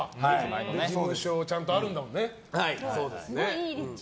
事務所がちゃんとあるんだもんね。